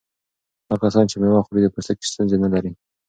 هغه کسان چې مېوه خوري د پوستکي ستونزې نه لري.